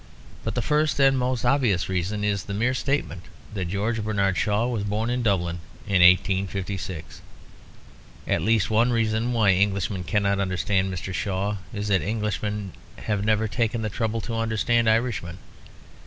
But the first and most obvious reason is the mere statement that George Bernard Shaw was born in Dublin in 1856. At least one reason why Englishmen cannot understand Mr. Shaw is that Englishmen have never taken the trouble to understand Irishmen.